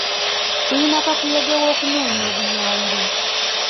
Tulina kakuyege w'okunoonya obuyambi.